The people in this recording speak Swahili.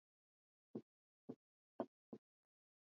Vipele sehemu ya chini ya mkia